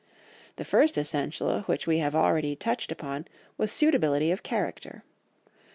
The first essential which we have already touched upon was suitability of character.